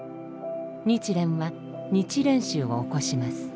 日蓮は日蓮宗を起こします。